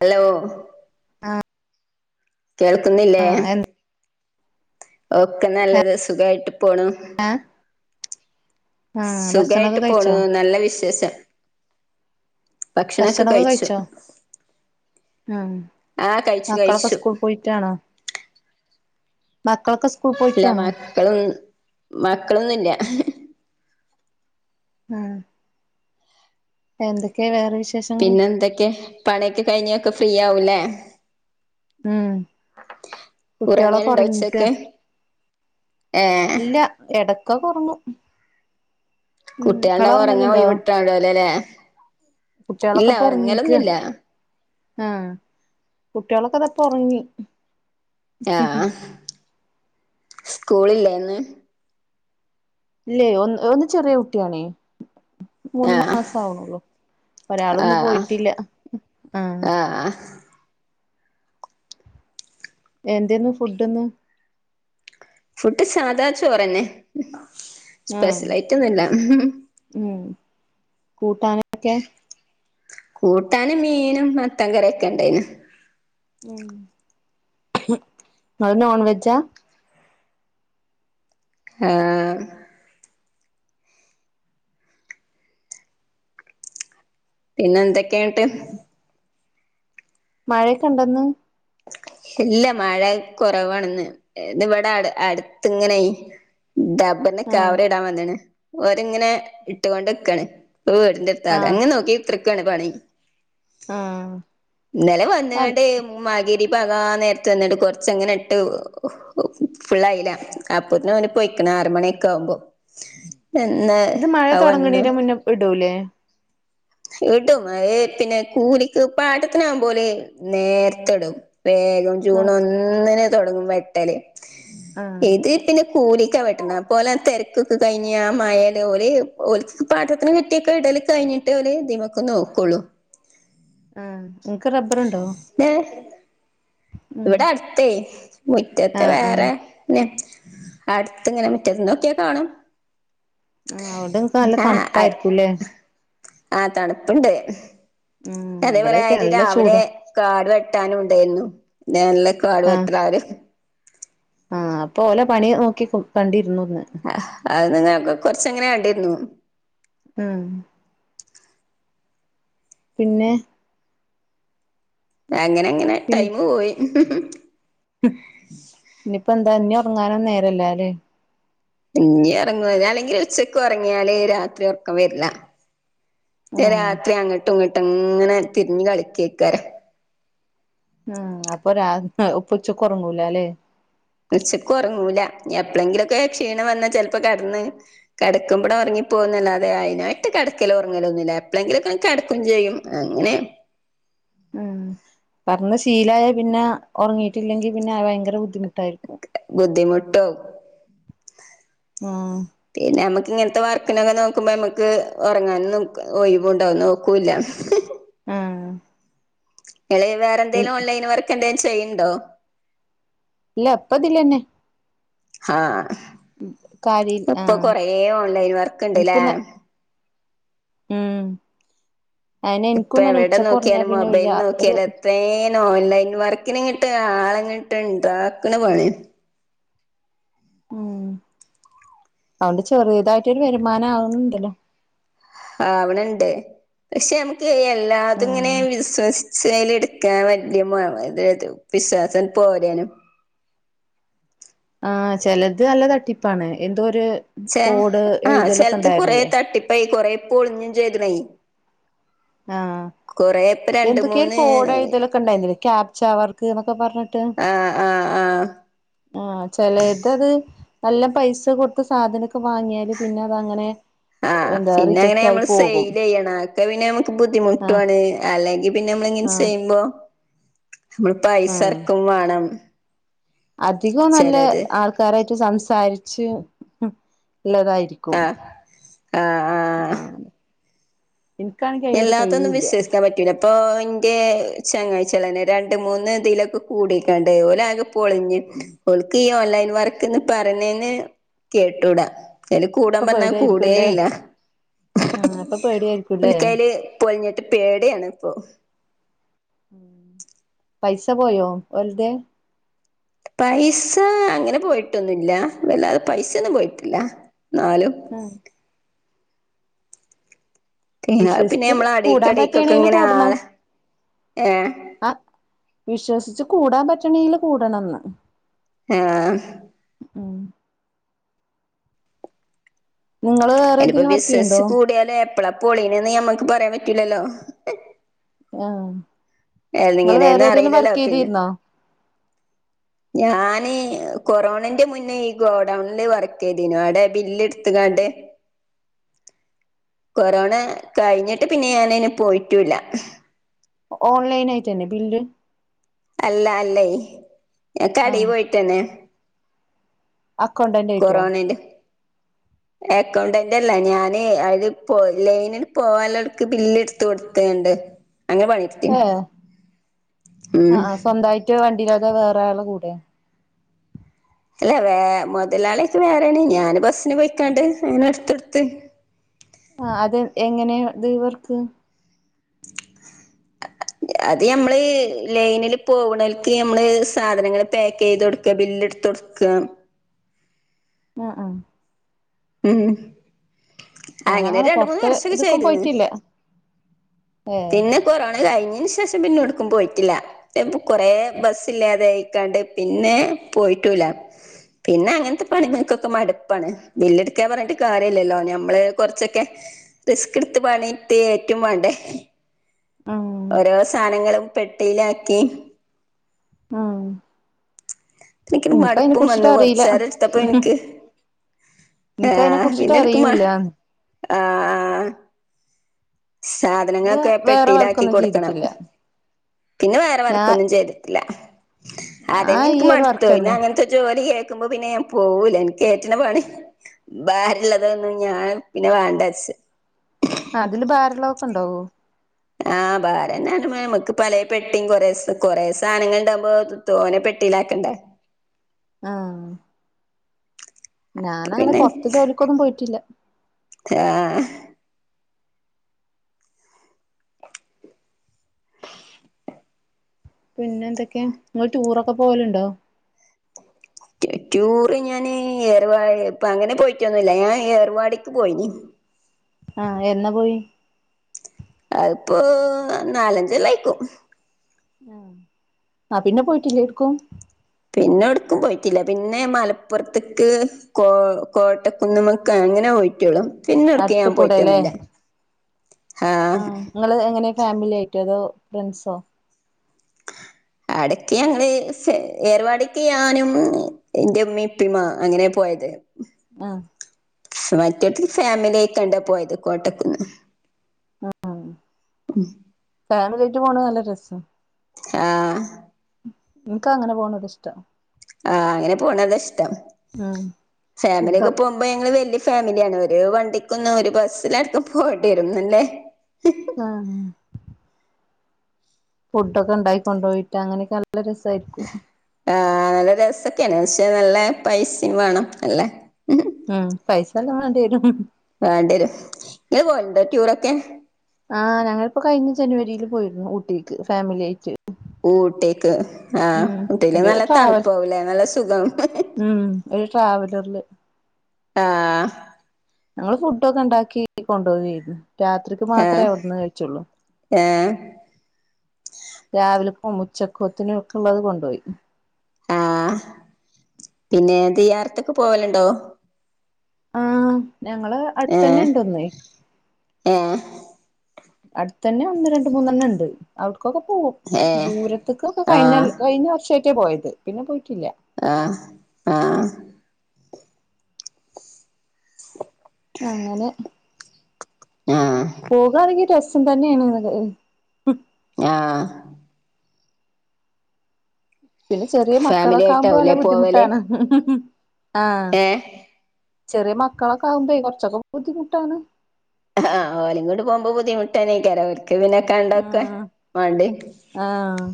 Hello. ആഹ്. കേൾക്കുന്നില്ലേ. എന്താ ഒക്കെ നല്ലത് സുഖായിട്ട് പോണു. ഉം ആ ഭക്ഷണൊക്കെ സുഖായിട്ട് കഴിച്ചോ പോണു നല്ല വിശേഷം. ഭക്ഷണൊക്കെ കഴിച്ചോ ഉം ആ കഴിച്ചു മക്കളൊക്കെ കഴിച്ചു സ്കൂളി പോയി ത്താണോ മക്കളൊക്കെ സ്കൂൾ പോയിക്കയാണോ മക്കള് മക്കളും മക്കളൊന്നും ഇല്ല ഉം എന്തക്കെയ വേറെ വിശേഷം പിന്നെ എന്തക്കെ പണിയൊക്കെ കഴിഞ്ഞക്കെ ഫ്രീ ആവൂലേ ഉം കുട്ടികളൊക്കെ ഉറങ്ങലുണ്ടോ ഉറങ്ങിക്കാ ഉച്ചക്ക് ഏഹ് ഇടയ്ക്കൊക്കെ ഉറങ്ങും ഉം കുട്ടികളുണ്ടേ ഇങ്ങള് ഉറങ്ങാൻ ഉറങ്ങലുണ്ടോ പോയി വിട്ട വിടുലല്ലേ ഇല്ല കുട്ടികളൊക്കെ ഉറങ്ങലൊന്നുമില്ല ആഹ് കുട്ടികളൊക്കെ ഇതാ ഇപ്പോ ഉറങ്ങി ആഹ് സ്കൂളില്ലേ ഇന്ന് ഇല്ലേ ഒന്ന് ഒന്ന് ചെറിയ കുട്ടിയാണേ മൂന്ന് ആ മാസം ആവണുള്ളൂ ആ ഒരാളിന്ന് പോയിട്ടില്ല ആഹ് ആ എന്തെ ഇന്ന് ഫുഡ് ഇന്ന് ഫുഡ് സാധാ ചോറ് തന്നെ ആ സ്പെഷ്യൽ ആയിട്ട് ഒന്നുമില്ല ഉം കൂട്ടാനൊക്കെ കൂട്ടാന് മീനും മത്തൻ കറിയൊക്കെ ഉണ്ടായിന്ന് ഉം നിങ്ങള് നോൺ വെജാ ആഹ് പിന്നെ എന്തൊക്കെയുണ്ട് മഴയൊക്കെ ഉണ്ടോ ഇന്ന് ഇല്ല മഴ കുറവാണ് ഇന്ന് ഇന്ന് ഇവിടെ അടു അടുത്ത് ഇങ്ങനായി ഡബറിന് ആഹ് കവർ ഇടാൻ വന്നാണ് ഓര്ങ്ങനെ ഇട്ടുകൊണ്ട് നിക്കാണ് വീടിന്റെ അടു ത്താണ് ആഹ് അതങ്ങ് നോക്കി കുത്ത്ർക്കാണ് പണി ആഹ് ഇന്നലെ ആഹ് വന്നുകൊണ്ട് മാഗ്രിബ് ആകൻ നേരത്തെ വന്നുകൊണ്ട് കൊറച്ചങ്ങനെ ഇട്ടു ഫുള്ളായില്ല അപ്പോ തന്നെ അവന് പോയിക്കണ് ആറു മണിയൊക്കെ ആവുമ്പോ പിന്നെ ഇത് മഴ തുടങ്ങണന് മുന്നേ ഇടൂല്ലേ ഇടും അതെ പിന്നെ കൂലിക്ക് പാട്ടത്തിനാകുമ്പോ ഓല് നേർത്തെയിടും വേഗം ജൂൺ ആഹ് ഒന്നിനെ തുടങ്ങും വെട്ടല് ആഹ് ഇതിൽ പിന്നെ കൂലിക്കാ വെട്ടുന്നെ അപ്പോ ഓല തിരക്കൊക്കെ കഴിഞ്ഞ് ആ മഴയത്തു ഓല് ഓല്ക്ക്‌ പാട്ടത്തിന് കിട്ടിയക്കെ ഇടല് കഴിഞ്ഞിട്ടെ അവര് ഇതിമേക്ക് നോക്കുള്ളൂ ആഹ് നിങ്ങക്ക് റബ്ബറുണ്ടോ ഏഹ് ഉം ഇവിടെ അടുത്തേ മുറ്റത്തെ ആഹ് ആഹ് വേറെ പിന്നെ അടുത്ത് ഇങ്ങനെ മുറ്റത്തന്ന് ‌ നോക്കിയാ കാണാം ഉം അതുകൊണ്ട് നിങ്ങക്ക് നല്ല തണുപ്പായിരിക്കൂല്ലേ ആഹ് തണുപ്പുണ്ട് ഉം അതേപോലെ ഇവിടെയൊക്കെ ഒരു നല്ല രാവിലെ ചൂടാ കാട് വെട്ടാനും ഉണ്ടായിരുന്നു നല്ല കാട് ആഹ് വെട്ടരാ അവര് ആഹ് അപ്പോ ഓലെ പണി നോക്കി കണ്ടിരുന്നു ഇന്ന് ആഹ് അതിനൊക്കെ കൊറച്ച് ഇങ്ങനെ കണ്ടിരുന്നു ഉം പിന്നെ അങ്ങനെ ഇങ്ങനെ ടൈമ് പോയി ഇനിയിപ്പൊ എന്താ ഇനി ഒറങ്ങാനൊന്നും നേരല്ലാല്ലേ ഇഞ്ഞി ഒറങ്ങുലാ അല്ലെങ്കിലും ഉച്ചക്ക് ഒറങ്ങിയാല് രാത്രി ഒർക്കം വെര്ല്ല പിന്നെ ആഹ് രാത്രി അങ്ങട്ടും ഇങ്ങട്ടുംങ്ങനെ തിരിഞ്ഞ് കളിക്കേയ്ക്കാരം ആഹ് അപ്പൊ രാ ഉപ്പൊ ഉച്ചക്കൊറങ്ങൂലാല്ലേ ഉച്ചക്കൊറങ്ങൂല ഇഞ് എപ്പ്ളെങ്കിലൊക്കെ ക്ഷീണം വന്ന ചെൽപ്പൊ കെടന്ന് കെടക്കുമ്പട് ഒറങ്ങിപ്പോവുന്നല്ലാതെ അയ്നായിട്ട് കെടക്കലും ഒറങ്ങലൊന്നുല്ല എപ്പ്ളെങ്കിലൊക്കാണ് കെടക്കും ചെയ്യും. അങ്ങനെ ഉം കട്ന്ന്ശീലായ പിന്നെ ഒറങ്ങിയിട്ടില്ലെങ്കിൽ പിന്നെ അത്‌ ഭയങ്കര ബുദ്ധിമുട്ടായിരിക്കും. ബുദ്ധിമുട്ടാവും ആഹ് പിന്നെ ഞമ്മക്ക് ഇങ്ങൻത്തെ വർക്കിനൊക്കെ നോക്കുമ്പൊ ഞമ്മക് ഒറങ്ങാനൊന്നും ഒയ്‌വ്ണ്ടോ ന്ന് നോക്കൂല്ല. ആഹ് ങ്ങള് വേറെന്തേലും ഇല്ല ഓൺലൈൻ വർക്കെന്തേം ചെയ്യ്ണ്ടോ ഇല്ല ഇപ്പതിലെന്നെ ആഹ് കാര്യ ഇപ്പൊ ആഹ് കൊറേ ഓൺലൈൻ വർക്ക് ഇണ്ട് ല്ലേ എനിക്കും ഉം അയെനെ ഇപ്പൊ ഇൻക്കും തെന്നെ ഉച്ചക്കൊർങ്ങ്യാ പിന്നെ ഒരു രാ ഒര് തേൻ ഓൺലൈൻ വർക്കിന്ങ്ങ്ട്ട് ആളെങ്ങ്ട്ട് ഇണ്ടാക്ക്ണ പണിയാണ് ഉം അതോണ്ട് ചെറ്യേതായിട്ടൊരു വരുമാനം ആവ്ണ് ണ്ടല്ലോ ആവ്‌ണ് ണ്ട് പക്ഷെ നമുക്ക് എല്ലാതും ഉം ഇങ്ങനെ വിശ്വസി സ്വൊ അയ്ല് ഇട്ക്കാൻ വല്യെ [unintelligible] വിശ്വാസം പോരേയ്നു ആഹ് ചെലത് നല്ല തട്ടിപ്പാണ് എന്തോര് ചെ ആഹ് ചെലത് കൊറേ തട്ടിപ്പായ് കൊറേ പൊളിഞ്ഞും ചെയ്ത്‌ണെയ് ആഹ് കൊറേ പ്ര എന്തെക്കേ ഒര് കോടെഴുതലൊക്കെണ്ടായിര്ന്നില്ലേ ക്യാപ്ച്ച വർക്ക്ന്നൊക്കെ പർഞ്ഞിട്ട് ആഹ് ആഹ് ആഹ് ചെലോര്തത് നല്ല പൈസ കൊട്ത്ത് സാധനൊക്കെ വാങ്ങിയാല് പിന്നതങ്ങനെ ആഹ് പിന്നെ അങ്ങനെ ഞമ്മള് സെയ്ല് ചെയ്യണം അതൊക്കെ പിന്നെ ഞമ്മക്ക് ആഹ് ബുദ്ധിമുട്ടുവാണ് അല്ലെങ്കിൽ പിന്നെ നമ്മള് ഇങ്ങനെ സ് ആഹ് ചെയ്യുമ്പൊ നമ്മള് പൈസെർക്കും വാണം അധികോം നല്ല ആൾക്കാരായിട്ട് സംസാരിച്ച് ഇള്ളതായിരി ക്കും ആഹ് ആഹ് ആഹ് ആണല്ലേ എല്ലാത്തൊന്നും വിശ്വസിക്കാൻപറ്റൂല പ്പൊ ഇന്റെ ചെങ്ങായ്ച്ച്യാളെന്നെ രണ്ട് മൂന്ന് തിലൊക്കെ കൂടിക്കാണ്ട് ഓലാകെ പൊളിഞ്ഞ്ട്ട് ഓൽക്കീ ഓൺലൈൻ വർക്ക്ന്ന് പറയ്ണെന്നെ കേട്ടൂടാ അയ്ല് കൂടാൻ ഇപ്പൊ പർഞ്ഞാ കൂടേ ഇല്ല പ്പ പേടിയായ്ര്ക്കും ഓൽക്കയ്ല് പൊള്ഞ്ഞ്ട്ട് പേടിയാണ് ഇപ്പോ ഉം പൈസ പോയോ ഓൽത് പൈസ അങ്ങനെ പോയിട്ടൊന്നുല്ല വല്ലാതെ പൈസൊന്നും പോയിട്ടില്ല ന്നാലും ആഹ് പിന്നെ വിശ്വസ്ച്ച് നമ്മള കൂടാൻ അടീക്കടീക്കൊക്കെ പറ്റാണെയ്ല് ഇങ്ങനെ കൂടണം ആളെ ഏ ആഹ് വിശ്വസിച്ച് കൂടാൻ പറ്റണീല് കൂടണംന്ന് ഏഹ് ഉം നിങ്ങള് വേറെ അയ്നിപ്പോ ഏതേലും വർക്ക് ചെയ്യണ്ടോ ബിസിനസ്സ് കൂടിയാല് എപ്പളാ പൊളീന്നേന്ന് ഞമ്മക്ക് പറയാൻ പറ്റൂലല്ലോ ആഹ് നിങ്ങള് എങ്ങനെയന്ന് വേറേതേലും അറിയില്ലല്ലോ വർക്കെയ്തീര്ന്നോ ഞാനീ കൊറോണന്റെ മുന്നേ ഈ ഗോഡൗണില് വർക്കെയ്തീനു അവ്ടെ ബില്ലെട്ത്ത്കാണ്ട് [inaudible] കൊറോണ കഴിഞ്ഞിട്ട് പിന്നെ ഞാനയ്ന് പോയിട്ടൂല്ല ഓൺലൈനായിട്ടണ ബില്ല് അല്ല അല്ലേ ഞാൻ കടെ ആഹ് പോയിട്ടന്നെ അക്കൗണ്ടന്റ് ആയിട്ടോ കൊറോണേന്റ [inaudible] അക്കൗണ്ടന്റല്ല ഞാനെ അത് പോ ലൈനില് പോവാനുള്ളോർക്ക് ബില്ല് എട്ത്ത് കൊട്ക്കാണ്ട് അങ്ങനെ പണി ഏഹ് ആഹ് സ്വന്തായിട്ട് വണ്ടില്ലാതെ വേറെ ആളെ കൂടെ അല്ല വേ മുതലാളിക്കെ വേറെണ് ഞാൻ ബസ്സിന് പോയിക്കാണ്ട് അങ്ങനെ എടുത്തൊടുത്ത് ആഹ് അത് എങ്ങനെ ഇത് വർക്ക് അത് നമ്മള് ലൈനില് പോക്ണേൽക്ക് നമ്മള് സാധനങ്ങള് പാക്കയ്ത് കൊട്ക്ക ബില്ല്ട് ത്തൊട്ക്ക ആഹ് ആഹ് ഉം അങ്ങനെ ഞാനങ്ങനെ രണ്ട് മൂന്ന് പൊറത്ത് വർഷെക്കെ ഇത്ക്കും ചെയ്ത്ണ് പോയിട്ടില്ല പിന്നെ കൊറോണ കഴിഞ്ഞിന് ശേഷം പിന്നെടുക്കും പോയിട്ടില്ല ഇപ്പ കൊറെ ബസ്സില്ലാതായിക്കാണ്ട് പിന്നെ പോയിട്ടൂല്ല പിന്നെ അങ്ങനത്തെ പണികൾക്കൊക്കെ മടുപ്പാണ് ബില്ല് എടുക്കാ പറഞ്ഞിട്ട് കാര്യല്ലല്ലോ ഞമ്മള് കൊറച്ചൊക്കെ റിസ്ക് എടുത്ത് പണിട്ടി ഏറ്റും വാണ്ടേ ഉം ഓരോ സാധനങ്ങളും പെട്ടിലാക്കി ഉം എനിക്ക് ഇൻക്ക് അയിനെ മടുപ്പും കുറിച്ചിട്ട് വന്നു അറില കൊറച്ച് നേരം എടുത്തപ്പോ എനിക്ക് ആഹ് കുറിച്ചിട്ട് പിന്നെ എടുക്കുമാ അറിയൂല്ല ആഹ് ആഹ് ഞാന് സാധനങ്ങളെക്കെ വേറെ പെട്ടിയിലാക്കി വർക്കൊന്നും കൊടുക്കണം ചെയ്തിട്ടില്ല പിന്നെ വേറെ ഞാ വർക്കൊന്നും ചെയ്ത് ല്ല ഞാൻ അതന്നെ ഇൻക്ക് ഈ ഒരു മട്ത്തോയ് പിന്നെ വർക്കന്നെ അങ്ങൻത്തെ ജോലി കേക്കുമ്പോ പിന്നെ ഞാൻ പോവൂല എനിക്ക് ഏറ്റ്ണ പണി ഭാരള്ളതൊന്നു ഞാൻ പിന്നെ വേണ്ടാച്ച് ആഹ് അതില് ഭാരള്ളതൊക്കെ ഇണ്ടാവോ ആഹ് ഭാരന്നെ ഇപ്പൊ നമക്ക് പലേ പെട്ടിയും കൊറേ കൊറേ സാധനങ്ങള് ഇണ്ടാമ്പോ തോനെ പെട്ടിലാക്കേണ്ടേ ആഹ് ഞാനങ്ങനെ പിന്നെ പൊർത്ത് ജോലിക്കൊന്നും പോയിട്ടില്ല [unintelligible] പിന്നെന്തൊക്കെയ നിങ്ങള് ടൂറൊക്കെ പോവല്ണ്ടോ ടൂറ് ഞാന് ഏർവാ ഇപ്പ അങ്ങനെ പോയിട്ടൊന്നുല്ല ഞാൻ ഏർവാടിക്ക് പോയിന് ആഹ് എന്ന പോയി അത്പ്പൊ നാലഞ്ച് കൊല്ലായിക്കും ആ പിന്നെ പോയിട്ടില്ലേ എടുക്കും പിന്നെ ഒട്ക്കും പോയിട്ടില്ല പിന്നെ മലപ്പെർത്ക്ക് കോ കോട്ടക്കുന്നുമക്ക് അങ്ങനെ പോയിട്ടെളു പിന്നെടുക്കും അടുത്ത് ഞാൻ കൂടെല്ലേ പോയിട്ടെന്നുല്ല ആഹ് നിങ്ങള് എങ്ങനെ ഫാമിലിയായിട്ടോ അതോ ഫ്രണ്ട്സോ അടക്ക് ഞങ്ങള് ഏർവാടിക്ക് ഞാനും ഇന്റെ ഉമ്മി ഇപ്പിമ്മ അങ്ങനെ പോയത് ആഹ് മറ്റത് ഫാമിലിയായിക്കിണ്ടാ പോയത് കോട്ടക്കുന്ന് ഫാമിലിയായിട്ട് പോണത് നല്ല രസ ആഹ് ഇൻക്ക് അങ്ങനെ പോണത് ഇഷ്ട്ടാ ആഹ് അങ്ങനെ പോണതാ ഇഷ്ടം ഉം ഫുഡ് ഫാമിലിക്കെ പോ പ്പ ഞങ്ങള് വല്ല്യ ഫാമിലിയാണ് ഒരു വണ്ടിക്കൊന്ന് ഒരു ബസ്സിലടത്ത് പോവേണ്ടി വരും ആഹ് ഫുഡ്ഡോക്കെ ഉണ്ടായി കൊണ്ടോയിട്ട അങ്ങനെയൊക്കെ നല്ല രസായിരിക്കും. ആഹ് നല്ല രസക്കെയാണ് പക്ഷേ നല്ല പൈസയും വേണം അല്ലേ. ഉം പൈസ നല്ലോം വേണ്ടി വരും. വേണ്ടി വരും ഇങ്ങൾ പോവേണ്ടോ ട്യൂറൊക്കെ. ആഹ് ഞങ്ങളിപ്പോ കഴിഞ്ഞ ജനുവരിയിൽ പോയിരുന്നു ഊട്ടിക്ക് ഫാമിലി ആയിട്ട് ഊട്ടിക്ക് ആഹ് ഉം ഊട്ടിയില് ഒരു നല്ല ട്രാവൽ തണുപ്പാവുല്ലേ നല്ല സുഖം ഉം ഒരു ട്രാവലറില്. ആഹ് ഞങ്ങള് ഫുഡ് ഒക്കെ ഉണ്ടാക്കി കൊണ്ടോവായിരുന്നു രാത്രിക്ക് ഏഹ് മാത്രമേ അവിടന്ന് കഴിച്ചുള്ളു. ഏഹ് രാവിലെപ്പോ ഉച്ചക്കോത്തിനും ഒക്കെ ഉള്ളത് കൊണ്ടോയി. ആ പിന്നെ ദിയാറത്തൊക്കെ പോവലുണ്ടോ? മം ഞങ്ങളെ അടുത്തന്നെ ഏഹ് ഇണ്ട് ഒന്ന്. ഏഹ് അടുത്ത തന്നെ ഒന്ന് രണ്ട് മൂന്നെണ്ണം ഉണ്ട് അവിടക്കൊക്കെ പോകും. ഏഹ് ദൂരത്ത്ക്കൊക്കെ കഴിഞ്ഞ ആഹ് കൊ കഴിഞ്ഞ വർഷമായിട്ടാ പോയത് പിന്നെ പോയിട്ടില്ല. ആഹ് ആഹ് അങ്ങനെ ആഹ് പോകാണെങ്കിൽ രസം തന്നെണ് ന്നാല് ആഹ് പിന്നെ ചെറിയ ഫാമിലി മക്കളൊക്കെ ആകുമ്പോ നല്ല ആയിട്ടാവൂലേ പോവല്? ബുദ്ധിമുട്ടാണ് ആഹ് ഏഹ് ചെറിയ മക്കളൊക്കെ ആകുമ്പോ കുറച്ചൊക്കെ ബുദ്ധിമുട്ടാണ്. ആഹ് ഓലെയും കൂടി പോകുമ്പോ ബുദ്ധിമുട്ട് തന്നെക്കാരം അവർക്ക് പിന്നെ കണ്ടൊക്കെ ഉം വേണ്ടേ. ആഹ്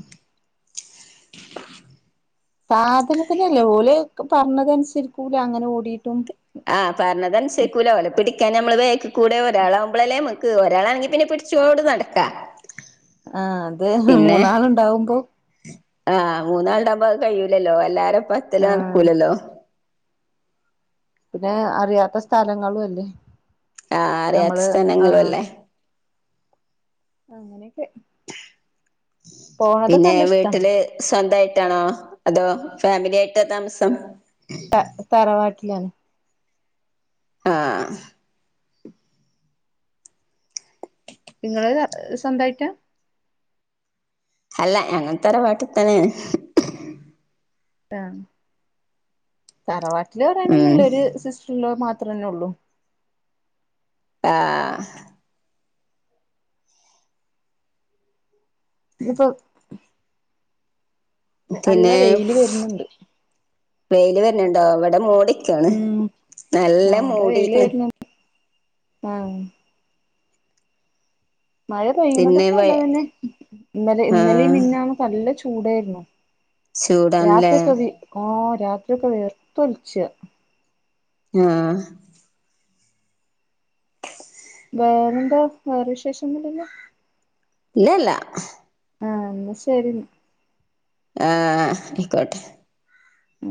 സാധനത്തിനല്ല ഓല് പറഞ്ഞത് അനുസരിക്കൂല അങ്ങനെ ഓടീട്ടും ആ പറഞ്ഞത് അനുസരിക്കൂല ഒലെ പിടിക്കാനമ്മള് കൂടെ ഒരാളാവുമ്പോളല്ലേ നമുക്ക് ഒരാണെങ്കിൽ പിന്നെ പിടി പിടിച്ചോണ്ട് നടക്കാം. ആഹ് അതെ മൂന്നാളുണ്ടാവുമ്പോ. ആഹ് മൂന്നാള് ഉണ്ടാവുമ്പോ അത് കഴൂലല്ലോ എല്ലാരപ്പത്തലും ആഹ് നടക്കൂലല്ലോ. പിന്നെ അറിയാത്ത സ്ഥലങ്ങളും അല്ലേ. ആഹ് അറിയാത്ത നമ്മള് സ്ഥനങ്ങളും ആഹ് അല്ലേ. അങ്ങനെയൊക്കെ പോണതൊക്കെ പിന്നെ നല്ല ഇഷ്ടാ വീട്ടില് സ്വന്തായിട്ടാണോ അതോ ഫാമിലി ആയിട്ടാ താമസം. ട്ട തറാവാട്ടിലാണ്. ആഹ് ഇങ്ങൾ സ്വന്തമായിട്ടാ. അല്ല ഞങ്ങളും തറവാട്ടിൽ തന്നെണ്. ആഹ് തറവാട്ടില് ഉം പറയാനൊന്നുല്ല ഒരു സിസ്റ്ററിൻ ലോ മാത്രന്നേ ഉള്ളൂ. ആഹ്. ഇഞ്ഞിപ്പോ. നല്ല പിന്നെ വെയില് വരുന്നുണ്ട്. വെയില് വരുന്നുണ്ടോ ഇവിടെ മൂടി ഉം ആ നല്ല വെയില് വരുന്നു ആഹ്. മഴ പിന്നെ പെയ്യുന്നതൊക്കെ വെ നല്ലത് തന്നെ ഇന്നലെ ഇന്നലിം ആഹ് മിഞ്ഞാന്നൊക്കെ നല്ല ചൂടായിരുന്നു. ചൂടാണല്ലേ രാത്രി ഓക്കെ വി ആഹ് രാത്രി ഒക്കെ വിയർത്തൊലിച്ച. ആഹ്. വേറെ എന്താ വേറെ വിശേഷം ഒന്നുമില്ലല്ലോ. ഇല്ലല്ല ആഹ് ന്നാ ശരി ന്നാ ആഹ് അയ്ക്കോട്ടെ ഉം